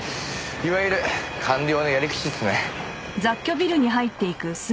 いわゆる官僚のやり口ですね。